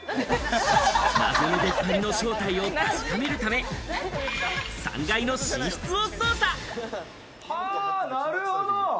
謎の出っ張りの正体を確かめるため、なるほど！